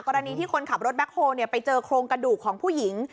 กรณีที่คนขับรถแบ็คโฮลไปเจอโครงกระดูกของผู้หญิง